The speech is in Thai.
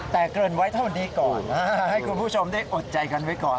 แต่เกินไว้เท่านี้ก่อนให้คุณผู้ชมได้อดใจกันไว้ก่อน